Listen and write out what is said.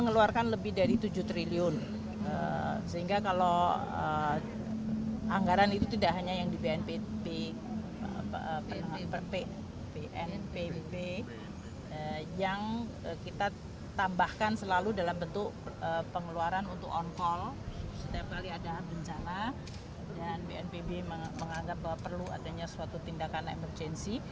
setiap kali ada bencana dan bnpb menganggap bahwa perlu adanya suatu tindakan emergensi